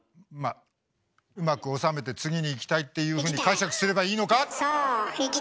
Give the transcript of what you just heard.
まあうまく収めて次にいきたいっていうふうに解釈すればいいのか？